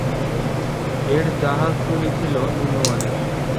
এর জাহাজগুলি ছিল নিম্নমানের।